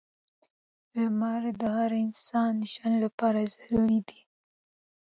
• لمر د هر انسان ژوند لپاره ضروری دی.